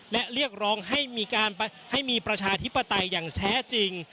และเรียกร้องให้มีการให้มีประชาธิปไตยอย่างแท้จริง